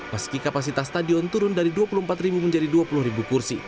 meski kapasitas stadion turun dari dua puluh empat menjadi dua puluh kursi